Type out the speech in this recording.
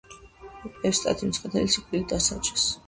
ევსტათი მცხეთელი სიკვდილით დასაჯეს.